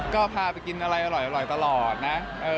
ก็พาไปกินอะไรอร่อยตลอดนะ